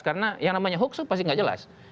karena yang namanya hoax itu pasti tidak jelas